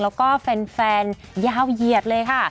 แล้วก็แฟนยาวเหยียดเลยค่ะ